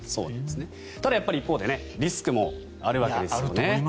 ただ、一方でリスクもあるわけですね。